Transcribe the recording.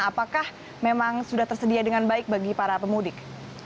apakah memang sudah tersedia dengan baik bagi para pemudik